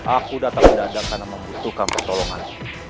aku datang ke dandang sana membutuhkan pertolongan